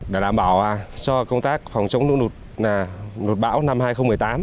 đã đảm bảo cho công tác phòng chống lũ nụt bão năm hai nghìn một mươi tám